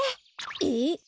えっ？